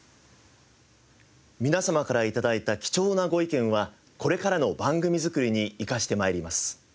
皆様から頂いた貴重なご意見はこれからの番組作りに生かしてまいります。